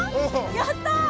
やった！